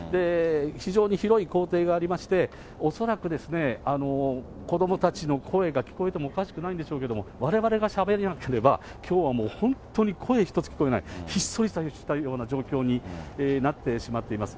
非常に広い校庭がありまして、恐らくですね、子どもたちの声が聞こえてもおかしくないんでしょうけれども、われわれがしゃべらなければ、きょうはもう、本当に声一つ聞こえない、ひっそりしたような状況になってしまっています。